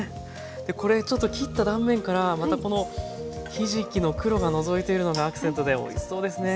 これちょっと切った断面からまたこのひじきの黒がのぞいているのがアクセントでおいしそうですね。